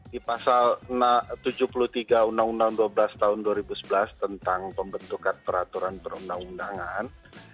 di pasal tujuh puluh tiga undang undang dua belas tahun dua ribu sebelas tentang pembentukan peraturan perundang undangan